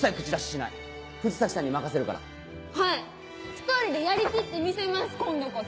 一人でやりきってみせます今度こそ。